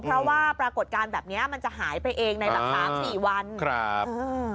เพราะว่าปรากฏการณ์แบบเนี้ยมันจะหายไปเองในแบบสามสี่วันครับ